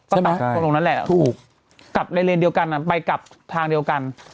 ใช่ไหมถูกคำตอบตรงนั้นแหละไปกลับทางเดียวกัน